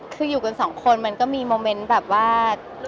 คืออยู่กันสองคนมันก็มีโมเมนต์แบบว่า